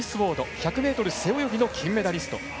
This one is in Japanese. １００ｍ背泳ぎの金メダリスト。